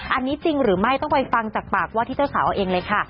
อันนี้จริงหรือไม่ต้องไปฟังจากปากว่าที่เจ้าสาวเอาเองเลยค่ะ